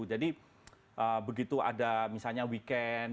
jadi begitu ada misalnya weekend